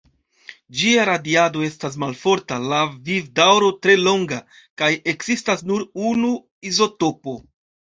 Ĝia radiado estas malforta, la vivdaŭro tre longa, kaj ekzistas nur unu izotopo.